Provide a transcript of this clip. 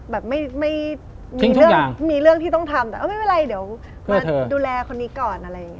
แบบไม่มีเรื่องมีเรื่องที่ต้องทำแต่ไม่เป็นไรเดี๋ยวมาดูแลคนนี้ก่อนอะไรอย่างนี้